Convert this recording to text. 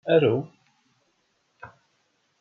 Aru!